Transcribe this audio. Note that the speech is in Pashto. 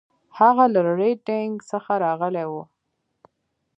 هغه له ریډینګ څخه راغلی و.